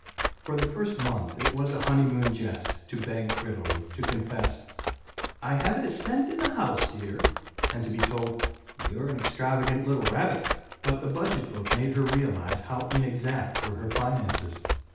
For the first month it was a honeymoon jest to beg prettily, to confess, "I haven't a cent in the house, dear," and to be told, "You're an extravagant little rabbit." But the budget book made her realize how inexact were her finances.